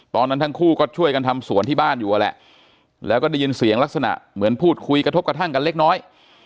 ตอนนั้นทั้งคู่ก็ช่วยกันทำสวนที่บ้านอยู่นั่นแหละแล้วก็ได้ยินเสียงลักษณะเหมือนพูดคุยกระทบกระทั่งกันเล็กน้อย